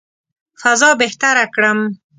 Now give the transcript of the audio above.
فضا بهتره کړم.